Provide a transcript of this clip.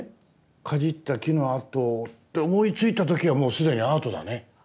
かじった木の跡って思いついた時はもう既にアートだね。